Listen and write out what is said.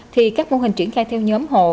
thì các mô hình triển khai theo nhóm hộ